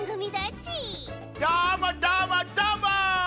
どーもどーもどーも！